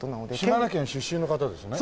島根県出身の方ですよね？